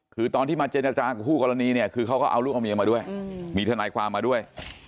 คือตอนที่มาเจรจากับคู่กรณีเนี่ยคือเขาก็เอาลูกเอาเมียมาด้วยมีทนายความมาด้วย